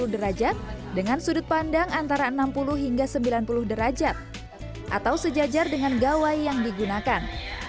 dua puluh derajat dengan sudut pandang antara enam puluh hingga sembilan puluh derajat atau sejajar dengan gawai yang digunakan